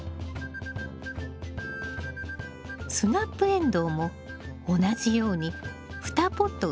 スナップエンドウも同じように２ポット植えるのよ。